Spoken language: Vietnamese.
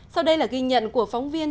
sau đây là ghi nhận của phóng viên